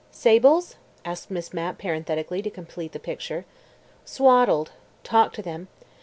"Sables?" asked Miss Mapp parenthetically, to complete the picture. "Swaddled. Talked to them.